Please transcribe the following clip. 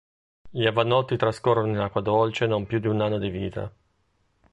Gli avannotti trascorrono in acqua dolce non più di un anno di vita.